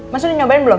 mas sudah nyobain belum